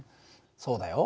そうだよ。